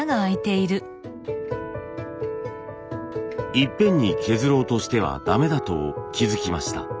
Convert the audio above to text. いっぺんに削ろうとしてはダメだと気付きました。